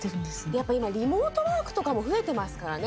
やっぱ今リモートワークとかも増えてますからね